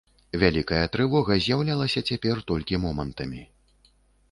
Вялікая трывога з'яўлялася цяпер толькі момантамі.